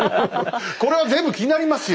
これは全部気になりますよ。